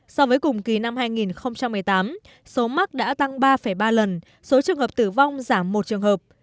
so với cùng kỳ năm hai nghìn một mươi tám số mắc đã tăng ba ba lần số trường hợp tử vong giảm một trường hợp